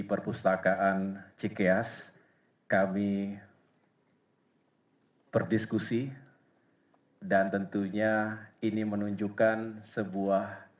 perpustakaan cikeas kami berdiskusi dan tentunya ini menunjukkan sebuah